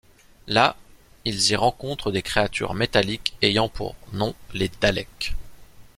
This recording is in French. Là, ils y rencontrent des créatures métalliques ayant pour noms les Daleks.